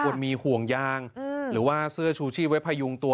มีห่วงยางหรือว่าเสื้อชูชีพไว้พยุงตัว